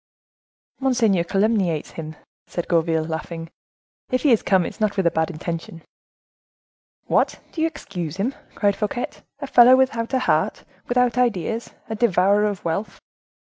"Monseigneur calumniates him," said Gourville, laughing; "if he is come, it is not with a bad intention." "What, do you excuse him?" cried Fouquet; "a fellow without a heart, without ideas; a devourer of wealth."